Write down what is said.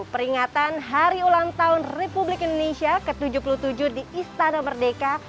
peringatan hari ulang tahun republik indonesia ke tujuh puluh tujuh di istana merdeka